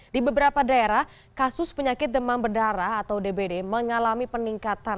di beberapa daerah kasus penyakit demam berdarah atau dbd mengalami peningkatan